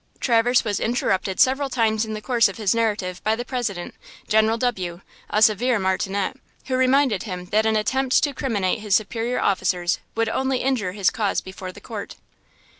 Traverse was interrupted several times in the course of his narrative by the President, General W., a severe martinet, who reminded him that an attempt to criminate his superior officers would only injure his cause before the court.